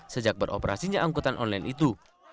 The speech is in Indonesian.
sejak beroperasinya angkutan online itu